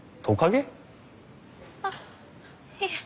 あっいえ。